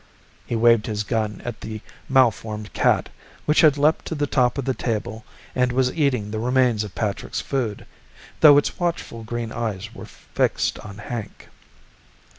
He waved his gun at the malformed cat, which had leaped to the top of the table and was eating the remains of Patrick's food, though its watchful green eyes were fixed on Hank.